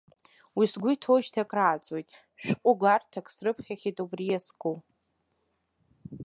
Уи сгәы иҭоуижьҭеи акрааҵуеит, шәҟәы гәарҭак срыԥхьеит убри иазку.